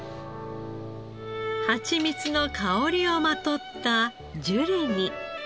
ハチミツの香りをまとったジュレに。